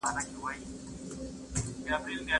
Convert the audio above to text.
ما پرون ښوونځي ته ولاړم.